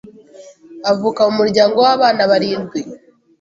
avuka mu muryango w’abana barindwi